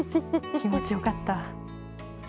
気持ちよかった。